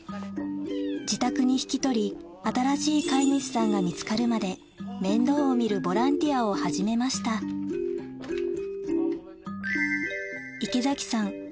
自宅に引き取り新しい飼い主さんが見つかるまで面倒を見るボランティアを始めました池崎さん